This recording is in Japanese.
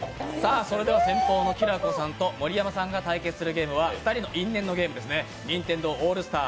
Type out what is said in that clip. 先鋒のきらこさんと盛山さんが対決するゲームは２人の因縁のゲーム、「ニンテンドーウオールスター！